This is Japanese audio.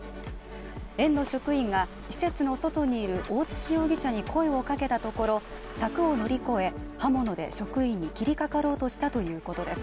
園の職員が施設の外にいる大槻容疑者に声を掛けたところ、柵を乗り越え、刃物で、職員に切りかかろうとしたということです。